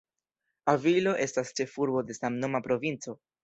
Avilo estas ĉefurbo de samnoma provinco.